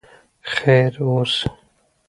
خیر اوسې.